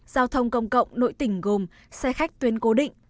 giao thông công cộng nội tỉnh gồm xe khách tuyến cố định